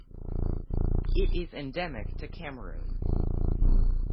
It is endemic to Cameroon.